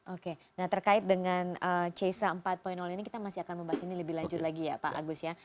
oke nah terkait dengan cesa empat ini kita masih akan membahas ini lebih lanjut lagi ya pak agus ya